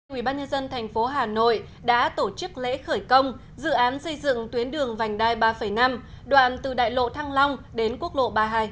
quỹ ban nhân dân thành phố hà nội đã tổ chức lễ khởi công dự án xây dựng tuyến đường vành đai ba năm đoạn từ đại lộ thăng long đến quốc lộ ba mươi hai